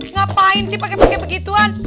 ngapain sih pake pake begituan